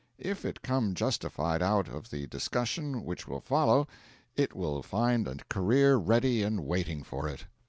If it come justified out of the discussion which will follow, it will find a career ready and waiting for it.